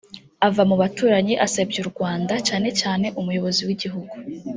ava mu baturanyi asebya U Rwanda cyane cyane umuyobozi w’igihugu